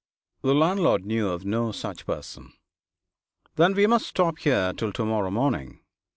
The landlord knew of no such person. 'Then we must stop here till to morrow morning.